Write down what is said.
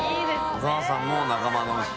お母さんも仲間のうち。